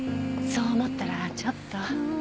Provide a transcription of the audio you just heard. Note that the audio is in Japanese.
そう思ったらちょっと。